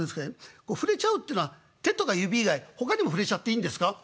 こう触れちゃうってのは手とか指以外ほかにも触れちゃっていいんですか？」。